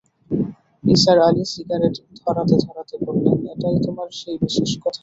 Nisar Ali cigarette ধরাতে-ধরাতে বললেন, এটাই তোমার সেই বিশেষ কথা?